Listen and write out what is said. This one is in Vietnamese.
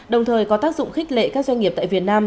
đồng thời có tác dụng khích lệ các doanh nghiệp tại việt nam